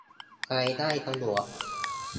ใช้ได้สะดวก